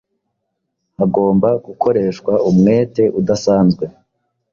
Hagomba gukoreshwa umwete udasanzwe